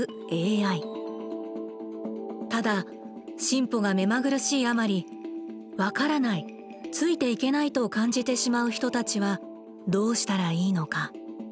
ただ進歩が目まぐるしいあまり「わからない」「ついていけない」と感じてしまう人たちはどうしたらいいのか？